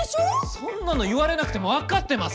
そんなの言われなくても分かってます！